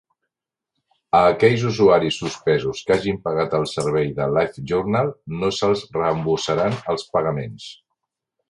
A aquells usuaris suspesos que hagin pagat el servei de LiveJournal no se'ls reembossaran els pagaments.